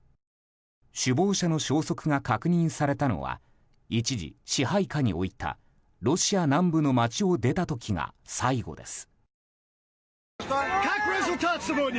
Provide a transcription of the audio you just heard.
首謀者の消息が確認されたのは一時支配下に置いたロシア南部の街を出た時が最後です。